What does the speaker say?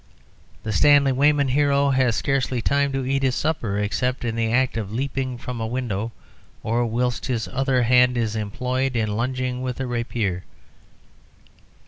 The Stanley Weyman hero has scarcely time to eat his supper except in the act of leaping from a window or whilst his other hand is employed in lunging with a rapier.